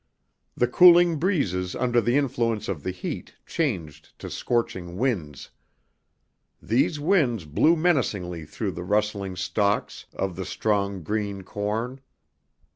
The cooling breezes under the influence of the heat changed to scorching winds. These winds blew menacingly through the rustling stalks of the strong green corn.